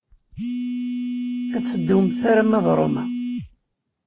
Ad teddumt arma d Roma.